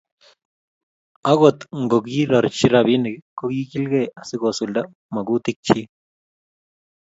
akot ngokirorchi robinik, ko kiikilgei asikosulda mokutikchich